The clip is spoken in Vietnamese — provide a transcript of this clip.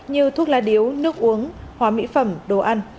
như thuốc lá điếu nước uống hóa mỹ phẩm đồ ăn